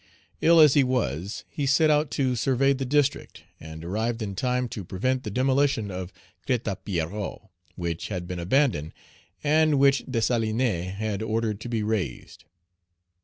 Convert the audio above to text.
Ill as he was, he set out to survey the district, and arrived in time to prevent the demolition of Crête à Pierrot, which had been abandoned, and which Dessalines had ordered to be razed.